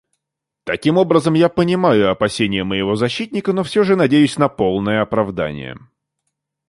Таким образом, я понимаю опасения моего защитника, но все же надеюсь на полное оправдание.